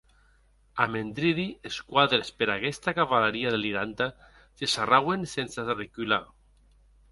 Amendridi es quadres per aguesta cavalaria deliranta, se sarrauen sense arrecular.